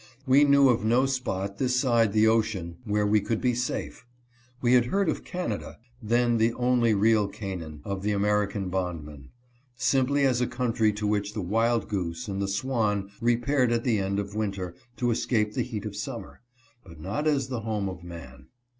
We knew of no spot this side the ocean where we could be safe. We had heard of Canada, then the only real Canaan of the American bondman, simply as a country to which the wild goose and the swan repaired at the end of winter to escape the heat of summer, but not as the home of man.